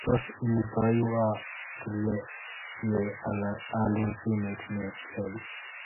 tos muiyowo kine ye aalun simet ne lel.